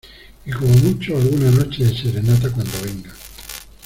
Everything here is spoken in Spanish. y como mucho, alguna noche de serenata cuando vengan